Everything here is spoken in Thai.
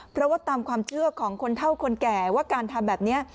เพราะว่าตามความเชื่อของคนเท่าคนแก่ว่าการทำแบบนี้